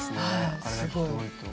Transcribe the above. あれだけ人多いと。